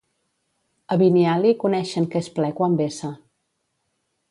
A Biniali coneixen que és ple quan vessa.